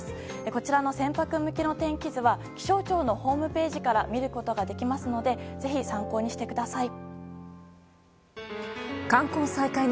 こちらの船舶向けの天気図は気象庁のホームページから見ることができますので参考にしてください。